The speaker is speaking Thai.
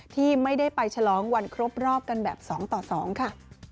ที่ไม่ได้ไปฉลองวันครบรอบกันแบบ๒ต่อ๒ค่ะ